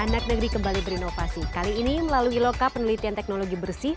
anak negeri kembali berinovasi kali ini melalui loka penelitian teknologi bersih